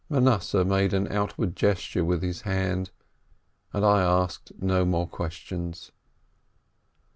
Manasseh made on outward gesture with his hand, and I asked no more questions.